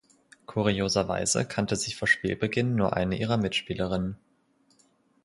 Kurioserweise kannte sie vor Spielbeginn nur eine ihrer Mitspielerinnen.